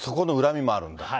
そこの恨みもあるんだ。